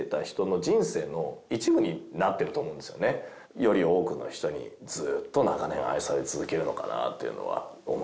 より多くの人にずーっと長年愛され続けるのかなっていうのは思います。